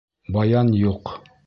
Баян юҡ.